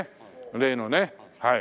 例のねはい。